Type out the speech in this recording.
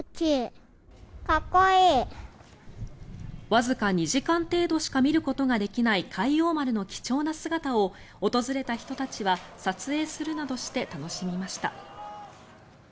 わずか２時間程度しか見ることができない「海王丸」の貴重な姿を訪れた人たちは撮影するなどして楽しみました。